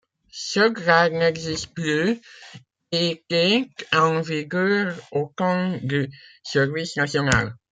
Ce grade n'existe plus, et était en vigueur au temps du service national.